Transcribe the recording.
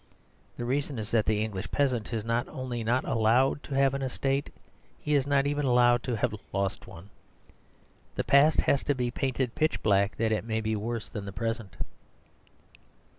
The reason is that the English peasant is not only not allowed to have an estate, he is not even allowed to have lost one. The past has to be painted pitch black, that it may be worse than the present.